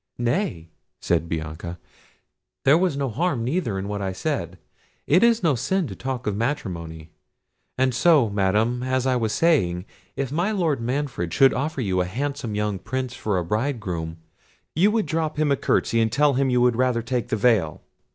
"Nay," said Bianca, "there was no harm neither in what I said: it is no sin to talk of matrimony—and so, Madam, as I was saying, if my Lord Manfred should offer you a handsome young Prince for a bridegroom, you would drop him a curtsey, and tell him you would rather take the veil?"